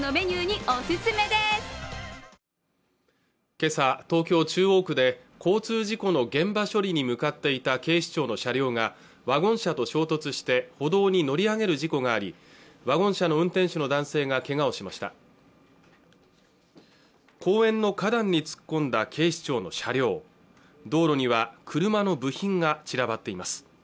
今朝東京中央区で交通事故の現場処理に向かっていた警視庁の車両がワゴン車と衝突して歩道に乗り上げる事故がありワゴン車の運転手の男性がけがをしました公園の花壇に突っ込んだ警視庁の車両道路には車の部品が散らばっています